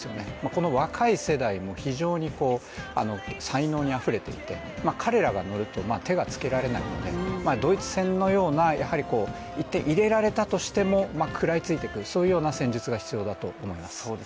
この若い世代も、非常に才能にあふれていて彼らが乗ると手がつけられないので、ドイツ戦のような、１点を入れられたとしても、食らいついていく戦術が必要だと思います。